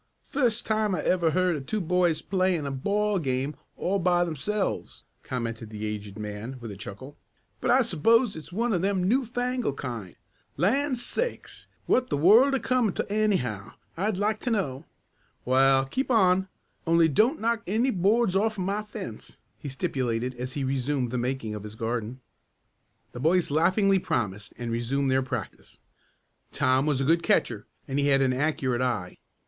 Fust time I ever heard of two boys playin' a ball game all by themselves," commented the aged man with a chuckle. "But I s'pose it's one of them new fangled kind. Land sakes, what th' world a comin' t' anyhow, I'd like t' know? Wa'al, keep on, only don't knock any boards offen my fence," he stipulated as he resumed the making of his garden. The boys laughingly promised and resumed their practice. Tom was a good catcher and he had an accurate eye.